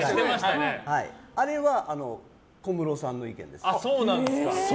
あれは小室さんの意見です。